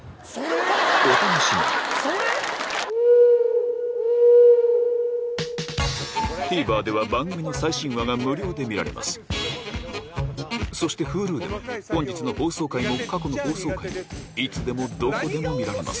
⁉お楽しみにＴＶｅｒでは番組の最新話が無料で見られますそしてＨｕｌｕでは本日の放送回も過去の放送回もいつでもどこでも見られます